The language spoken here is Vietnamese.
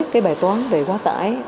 cái bài toán về quá tải